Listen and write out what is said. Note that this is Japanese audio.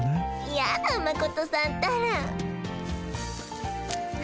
やだマコトさんったら。